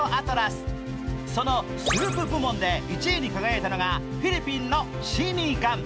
そのスープ部門で１位に輝いたのがフィリピンのシニガン。